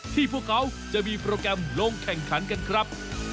พวกเขาจะมีโปรแกรมลงแข่งขันกันครับ